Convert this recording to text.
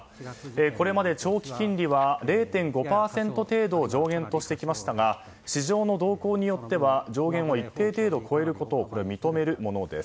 これまで長期金利は０．５％程度を上限としてきましたが市場の動向によっては上限を一定程度超えることを認めるものです。